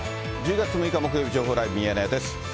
１０月６日木曜日、情報ライブミヤネ屋です。